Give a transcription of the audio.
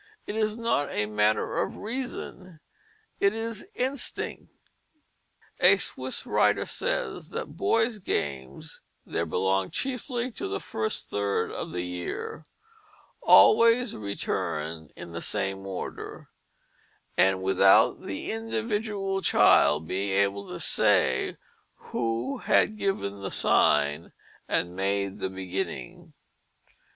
It is not a matter of reason; it is instinct. A Swiss writer says that boys' games there belong chiefly to the first third of the year, always return in the same order, and "without the individual child being able to say who had given the sign, and made the beginning."